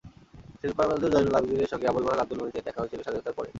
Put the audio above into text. শিল্পাচার্য জয়নুল আবেদিনের সঙ্গে আবুল মাল আবদুল মুহিতের দেখা হয়েছিল স্বাধীনতার পরে।